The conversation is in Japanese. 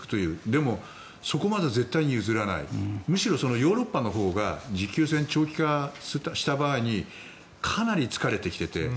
でも、そこまで絶対に譲らないむしろヨーロッパのほうが持久戦、長期化した場合にかなり疲れてきていて。